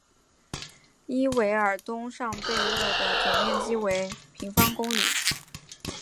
伊韦尔东上贝勒蒙的总面积为平方公里。